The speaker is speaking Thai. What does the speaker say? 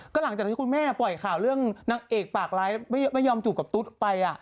ก็หลังจากที่คุณแม่ปล่อยข่าวเรื่องนางเอกปากร้ายไม่ยอมจูบกับตุ๊ดไป